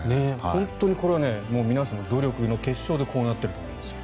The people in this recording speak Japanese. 本当にこれは皆さんの努力の結晶でこうなっていると思います。